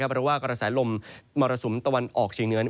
บริว่ากรสายลมมรสุมตะวันออกเฉียงเหนือน